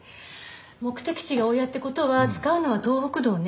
目的地が大谷って事は使うのは東北道ね。